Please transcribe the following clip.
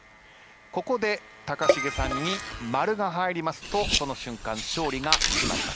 ここで高重さんに○が入りますとその瞬間勝利が決まります。